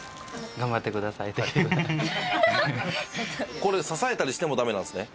これ支えたりしてもダメなんですね。